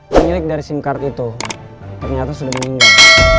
pemilik dari sim card itu ternyata sudah meninggal